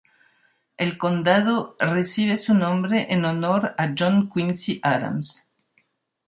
El condado recibe su nombre en honor a John Quincy Adams.